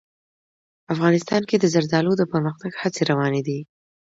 افغانستان کې د زردالو د پرمختګ هڅې روانې دي.